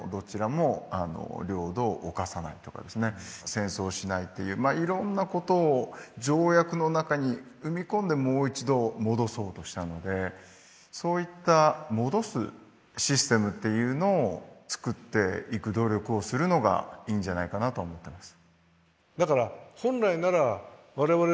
戦争しないっていういろんなことを条約の中に組み込んでもう一度戻そうとしたのでそういった戻すシステムっていうのを作っていく努力をするのがいいんじゃないかなと思ってます。